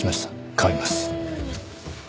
代わります。